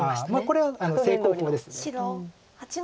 これは正攻法です。